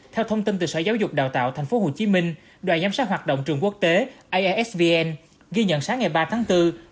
theo thông tin từ sở giáo dục đào tạo tp hcm đoàn giám sát hoạt động trường quốc tế aisvn ghi nhận sáng ngày ba tháng bốn